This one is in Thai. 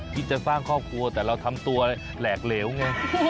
คิดจะสร้างครอบครัวแต่เราทำตัวอะไรแหลกเหลวไง